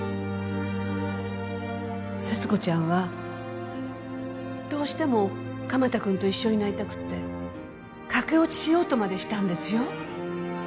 勢津子ちゃんはどうしても鎌田君と一緒になりたくて駆け落ちしようとまでしたんですよ